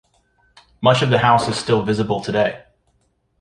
Much of the house is still visible today.